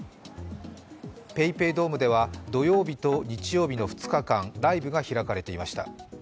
ＰａｙＰａｙドームでは土曜日と日曜日の２日間ライブが開かれていました。